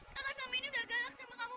kakak selama ini sudah galak sama kamu